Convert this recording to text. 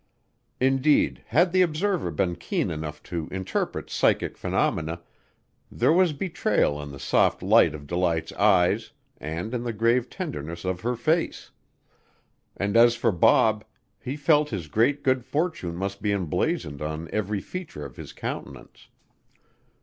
Indeed, had the observer been keen enough to interpret psychic phenomena, there was betrayal in the soft light of Delight's eyes and in the grave tenderness of her face; and as for Bob, he felt his great good fortune must be emblazoned on every feature of his countenance.